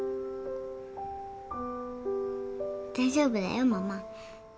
大丈夫だよママ。